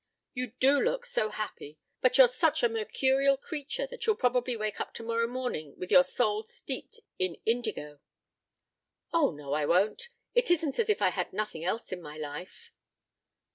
"You do look so happy. But you're such a mercurial creature that you'll probably wake up tomorrow morning with your soul steeped in indigo." "Oh, no, I won't. It isn't as if I had nothing else in my life."